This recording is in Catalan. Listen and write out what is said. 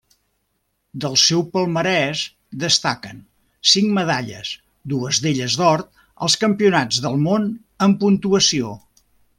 Del seu palmarès destaquen, cinc medalles, dues d'elles d'or, als Campionats del món en Puntuació.